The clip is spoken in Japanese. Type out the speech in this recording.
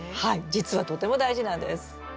実はとても大事なんです。